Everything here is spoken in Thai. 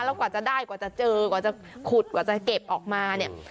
แล้วกว่าจะได้กว่าจะเจอกว่าจะขุดกว่าจะเก็บออกมาเนี่ย